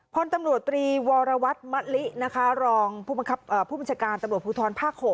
พลตำรวจตรีวรวัตรมะลินะคะรองผู้บัญชาการตำรวจภูทรภาค๖